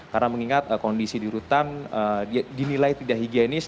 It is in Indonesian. karena mengingat kondisi di rutan dinilai tidak higienis